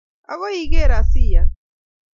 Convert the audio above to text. Agoi igeer asiyaan